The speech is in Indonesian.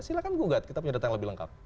silahkan gugat kita punya data yang lebih lengkap